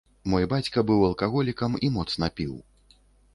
Мой бацька быў алкаголікам і моцна піў.